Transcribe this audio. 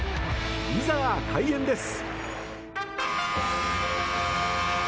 いざ、開演です。